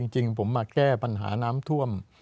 จริงผมมาแก้ปัญหาน้ำท่วม